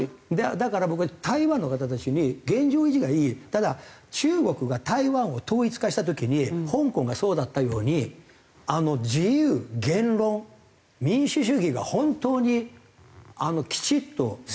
だから僕は台湾の方たちに現状維持がいいただ中国が台湾を統一化した時に香港がそうだったように自由言論民主主義が本当にきちっと成立するのかなって。